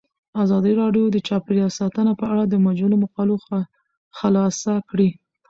ازادي راډیو د چاپیریال ساتنه په اړه د مجلو مقالو خلاصه کړې.